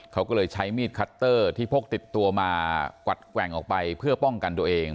เขาก็เลยใช้มีดคัตเตอร์ที่พกติดตัวมากวัดแกว่งออกไปเพื่อป้องกันตัวเอง